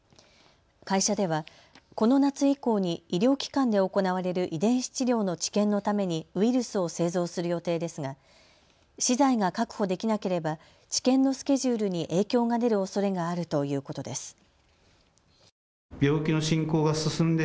会社ではこの夏以降に医療機関で行われる遺伝子治療の治験のためにウイルスを製造する予定ですが資材が確保できなければ治験のスケジュールに影響が出るおそれがあるということです。